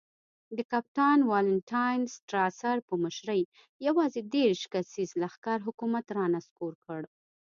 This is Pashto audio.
د کپټان والنټاین سټراسر په مشرۍ یوازې دېرش کسیز لښکر حکومت را نسکور کړ.